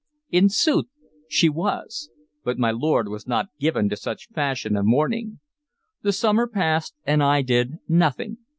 In sooth she was, but my lord was not given to such fashion of mourning. The summer passed, and I did nothing.